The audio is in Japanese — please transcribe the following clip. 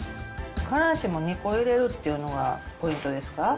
からしも２個入れるっていうのがポイントですか？